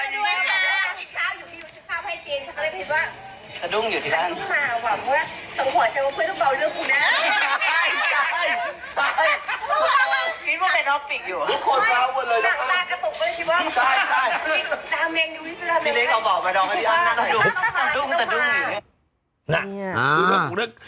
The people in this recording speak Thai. มีคนออกมานำแล้ว